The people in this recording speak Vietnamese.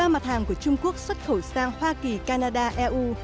một mươi ba mặt hàng của trung quốc xuất khẩu sang hoa kỳ canada eu